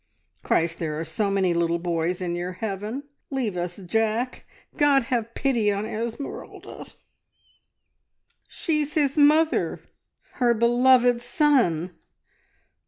"Christ, there are so many little boys in your heaven leave us Jack! God, have pity on Esmeralda! She's his mother. ... _Her beloved son